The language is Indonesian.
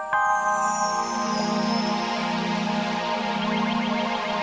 kamu harus tahu